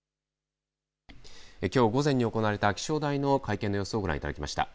きょう午前に行われた気象台の会見の様子をご覧いただきました。